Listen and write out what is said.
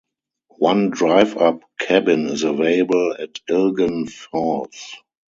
One drive-up cabin is available at Illgen Falls.